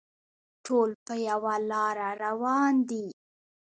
ټول په یوه لاره روان دي.